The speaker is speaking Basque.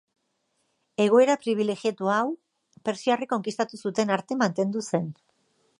Egoera pribilegiatu hau, pertsiarrek konkistatu zuten arte mantendu zen.